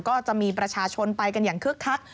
ก็จะมีประชาชนไปกันอย่างคึกคัก